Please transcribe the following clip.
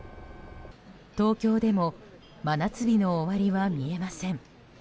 東京でも真夏日の終わりは見えません。